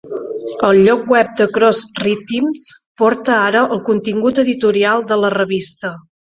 El lloc web de Cross Rhythms porta ara el contingut editorial de la revista.